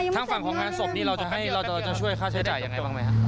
ทางฝั่งของคุณศพนี้เราจะช่วยค่าใช้จ่ายอย่างไรบ้างไหม